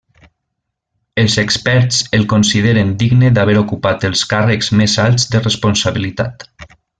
Els experts el consideren digne d'haver ocupat els càrrecs més alts de responsabilitat.